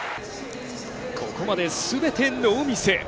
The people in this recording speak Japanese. ここまで全てノーミス。